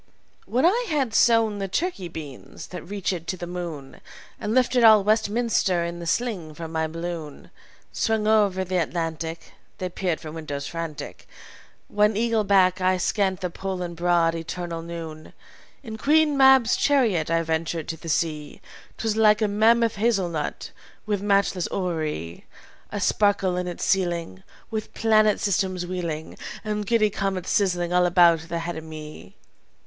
........ "When I had sown the Turkey beans that reachéd to the moon, And lifted all Westminster in the sling from my balloon (Swung over the Atlantic, They peered from windows, franctic), When, eagle back, I'd scanned the pole in broad, eternal noon, "In Queen Mab's chariot I ventured on the sea. 'Twas like a mammoth hazelnut, with matchless orrery A sparkle on its ceiling, With planet systems wheeling And giddy comets sizzling all about the head o' me.